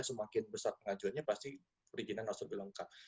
semakin besar pengajuannya pasti perizinan langsung dilengkap